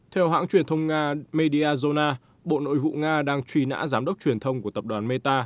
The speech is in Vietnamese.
theo hãng truyền thông nga mediazona bộ nội vụ nga đang truy nã giám đốc truyền thông của tập đoàn meta